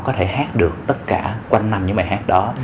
có thể hát được tất cả quanh nằm những bài hát đó